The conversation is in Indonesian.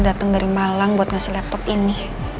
datang dari malang buat ngasih laptop ini